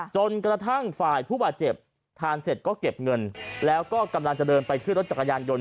จนกระทั่งฝ่ายผู้บาดเจ็บทานเสร็จก็เก็บเงินแล้วก็กำลังจะเดินไปขึ้นรถจักรยานยนต